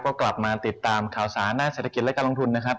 ก็กลับมาติดตามข่าวสารด้านเศรษฐกิจและการลงทุนนะครับ